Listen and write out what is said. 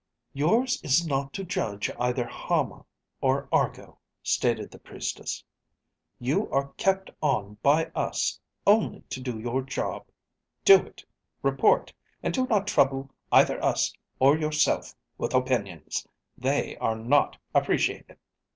"Yours is not to judge either Hama or Argo," stated the Priestess. "You are kept on by us only to do your job. Do it, report, and do not trouble either us or yourself with opinions. They are not appreciated."